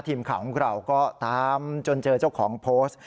ทีมข่าวของเราก็ตามจนเจอเจ้าของโพสต์